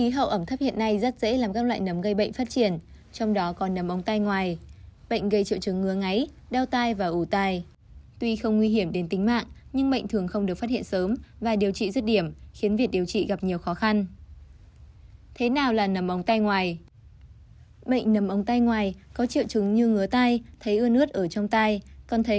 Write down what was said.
hãy đăng ký kênh để ủng hộ kênh của chúng mình nhé